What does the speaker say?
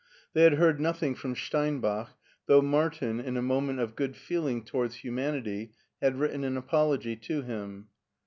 They had heard noth ing from Steinbach, though Martin, in a moment of good feeling towards humanity, had written an apology to him.